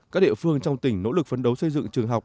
các địa phương trong tỉnh nỗ lực phấn đấu xây dựng trường học